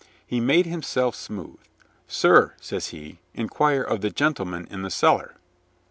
He made himself smooth. "Sir," says he, "inquire of the gentlemen in the cellar."